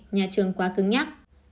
nhà trường quá cứng nhắc